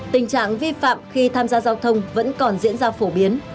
tình trạng vi phạm khi tham gia giao thông vẫn còn diễn ra phổ biến